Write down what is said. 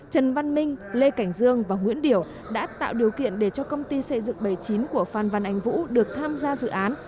trần văn minh lê cảnh dương và nguyễn điểu đã tạo điều kiện để cho công ty xây dựng bảy mươi chín của phan văn anh vũ được tham gia dự án